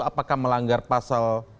apakah melanggar pasal